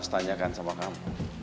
mas tanyakan sama kamu